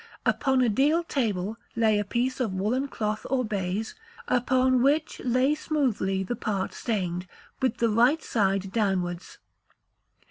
Upon a deal table lay a piece of woollen cloth or baize, upon which lay smoothly the part stained, with the right side downwards.